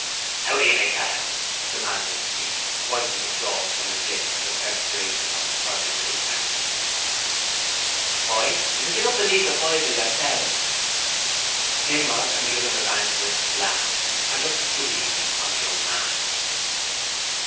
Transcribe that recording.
''Ow do you make it out?' demanded the preacher, wiping the froth from his lips and the perspiration from his forehead with his handkerchief. 'Why, because you don't believe the Bible yourselves.' Nimrod and the other evangelists laughed, and looked pityingly at the young man.